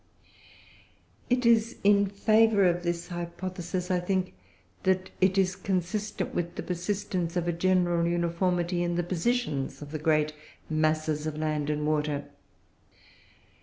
It is in favour of this hypothesis, I think, that it is consistent with the persistence of a general uniformity in the positions of the great masses of land and water.